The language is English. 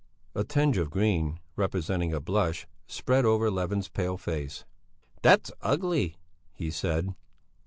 A tinge of green, representing a blush, spread over Levin's pale face. "That's ugly," he said.